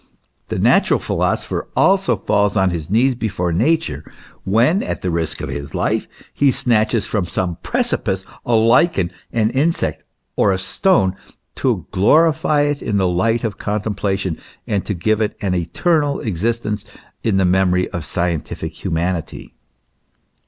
The natural philosopher also falls on his knees before Nature when, at the risk of his life, he snatches from some precipice a lichen, an insect, or a stone, to glorify it in the light of contemplation, and give it an eternal existence in the memory of scientific humanity.